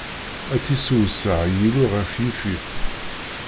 Ad tt-issewseɛ Yillu ɣef Yifit!